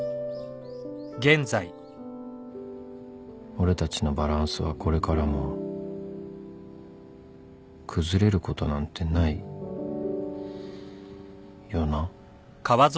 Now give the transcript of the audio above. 俺たちのバランスはこれからも崩れることなんてないよな？